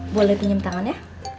boleh pinjam tangan ya